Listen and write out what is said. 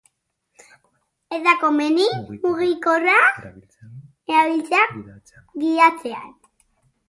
Ez da komeni mugikorra erabiltzea gidatzean